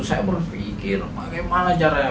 saya berpikir bagaimana caranya